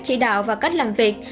chỉ đạo và cách làm việc